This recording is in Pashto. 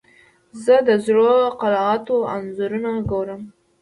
زه د زړو قلعاتو انځورونه ګورم.